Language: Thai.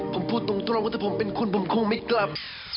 ผมพูดตรงตรงว่าแบบผมเป็นคุ้นผมคงไม่กลับ